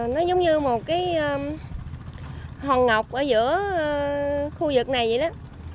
nó giống như một cái hòn ngọc ở giữa khu vực này vậy đó